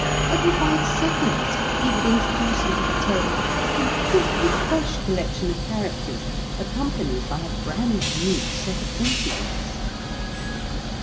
Every five seconds he would introduce into the tale a completely fresh collection of characters accompanied by a brand new set of incidents.